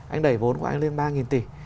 anh đẩy vốn của anh lên ba tỷ